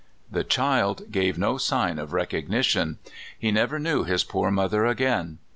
" The child gave no sign of recognition. He never knew his poor mother again.